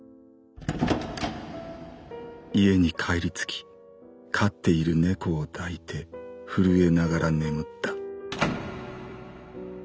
「家に帰り着き飼っている猫を抱いて震えながら眠った。